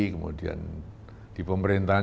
kemudian di pemerintahan